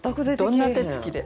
どんな手つきで？